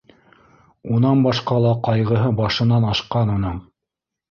Унан башҡа ла ҡайғыһы башынан ашҡан уның.